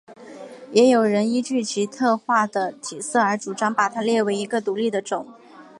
也有人依据其特化的体色而主张把它列为一个独立的种。